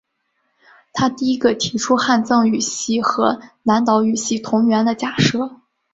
他第一个提出汉藏语系和南岛语系同源的假设。